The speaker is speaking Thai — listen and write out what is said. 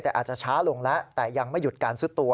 แต่อาจจะช้าลงแล้วแต่ยังไม่หยุดการซุดตัว